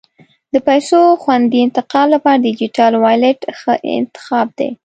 د پیسو خوندي انتقال لپاره ډیجیټل والېټ ښه انتخاب دی.